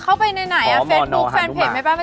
เฟสบุ๊คแฟนเพจแม่บ้านประจำบานเหรอ